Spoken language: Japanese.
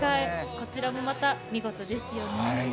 こちらもまた見事ですよね。